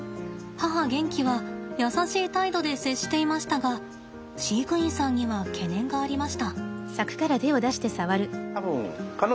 母ゲンキは優しい態度で接していましたが飼育員さんには懸念がありました。